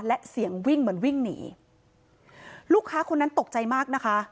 และเสียงวิ่งเหมือนวิ่งหนีลูกค้าคนนั้นตกใจมากนะคะ